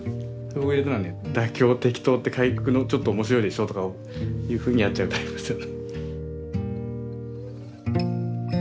僕入れたのはちょっと面白いでしょとかいうふうにやっちゃうタイプですよ。